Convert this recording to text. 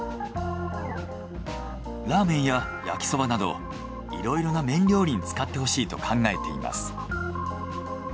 ラーメンや焼きそばなどいろいろな麺料理に使ってほしいと考えています。